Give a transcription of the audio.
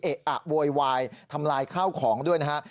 อะโวยวายทำลายข้าวของด้วยนะฮะ